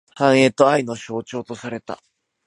繁栄と愛の象徴とされた。